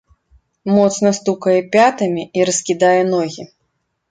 Моцна стукае пятамі і раскідае ногі.